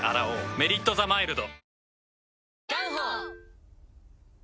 「メリットザマイルド」